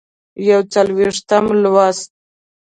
یوڅلوېښتم لوست